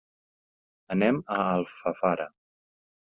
Anem a Alfafara.